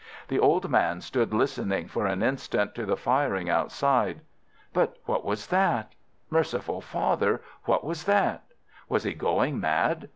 The old man stood listening for an instant to the firing outside. But what was that? Merciful Father, what was that? Was he going mad?